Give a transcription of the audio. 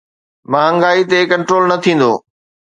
مهانگائي تي ڪنٽرول نه ٿيندو.